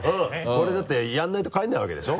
これだってやらないと帰らないわけでしょ？